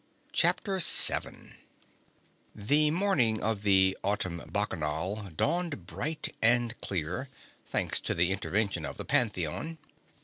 CHAPTER SEVEN The morning of the Autumn Bacchanal dawned bright and clear thanks to the intervention of the Pantheon.